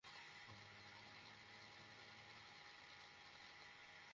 অভিযানের শেষ দিকে ক্লাবের কয়েকজন কর্মকর্তা ডিএসসিসির কর্মকর্তাদের সঙ্গে বচসা শুরু করেন।